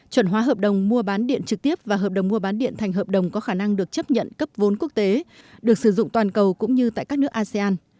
chuẩn hóa hợp đồng mua bán điện trực tiếp và hợp đồng mua bán điện thành hợp đồng có khả năng được chấp nhận cấp vốn quốc tế được sử dụng toàn cầu cũng như tại các nước asean